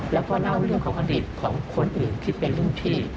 แล้วก็เล่าเรื่องของอดีตของคนอื่นที่เป็นรุ่นพี่